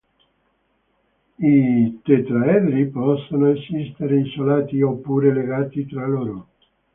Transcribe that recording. I tetraedri possono esistere isolati oppure legati tra loro.